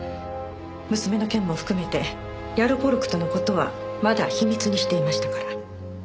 娘の件も含めてヤロポロクとの事はまだ秘密にしていましたから。